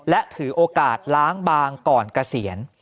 และถือโอกาสล้างบางก่อนเกษียณ